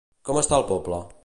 Com està el poble?